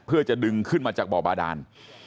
เพื่อจะดึงขึ้นมาจากบ่อบาดาน